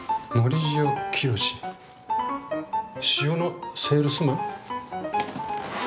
塩のセールスマン？